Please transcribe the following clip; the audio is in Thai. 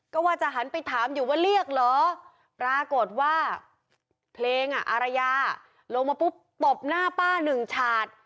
ก็ว่าจะหันไปถามอยู่ว่าเรียกเหรอปรากฏว่าเพลงอ่ะอารยาลงมาปุ๊บตบหน้าป้าหนึ่งฉาด